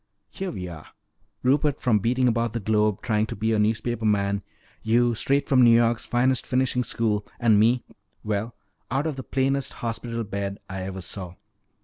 Here we are, Rupert from beating about the globe trying to be a newspaper man, you straight from N'York's finest finishing school, and me well, out of the plainest hospital bed I ever saw.